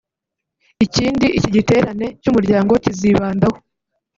Ikindi iki giterane cy’umuryango kizibandaho